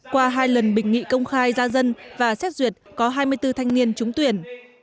qua hai lần bình nghị công khai gia dân và xét duyệt có hai mươi bốn thanh niên trúng tuyển